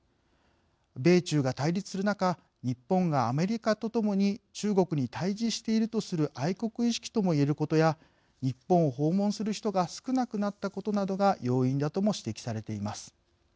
米中が対立する中日本がアメリカとともに中国に対じしているとする愛国意識ともいえることや日本を訪問する人が少なくなったことなどが要因だとも指摘されています。